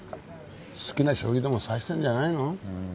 好きな将棋でも指してんじゃないの？